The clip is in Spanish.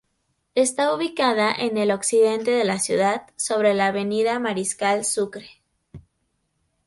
Está ubicada en el occidente de la ciudad, sobre la Avenida Mariscal Sucre.